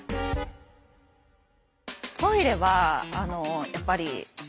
トイレはやっぱりあっ。